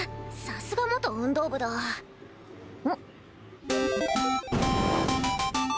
さすが元運動部だうん？